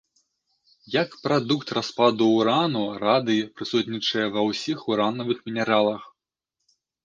Як прадукт распаду урану, радый прысутнічае ва ўсіх уранавых мінералах.